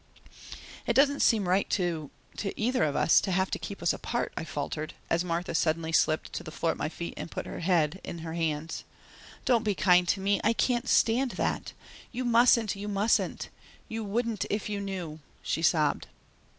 "It doesn't seem right to to either of us to have kept us apart," I faltered, as Martha suddenly slipped to the floor at my feet and put her head in her hands. "Don't be kind to me I can't stand that. You mustn't, you mustn't! You wouldn't if you knew," she sobbed.